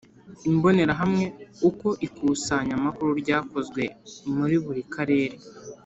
Imbonerahamwe Uko ikusanyamakuru ryakozwe muri buri karere